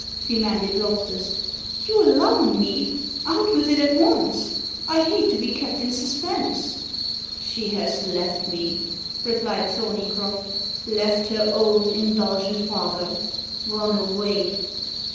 demanded Loftus. "You alarm me. Out with it at once. I hate to be kept in suspense." "She has left me," replied Thorneycroft "left her old indulgent father run away."